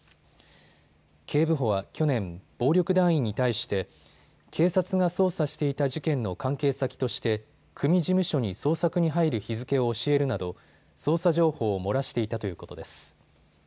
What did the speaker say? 警部補は去年、暴力団員に対して警察が捜査していた事件の関係先として組事務所に捜索に入る日付を教えるなど捜査情報を漏らしていたということです。